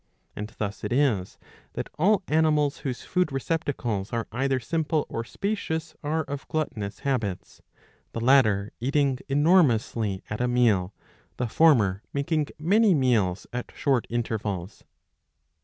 ^^ And thus it is that all animals whose food receptacles are either simple or spacious are of gluttonous habits, the latter eating enormously at a meal, the former making many meals at short intervals.